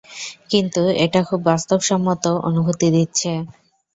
কিন্তু এটা খুব বাস্তবসম্মত অনুভূতি দিচ্ছে।